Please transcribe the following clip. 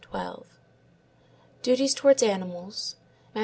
12); duties towards animals (_Matt.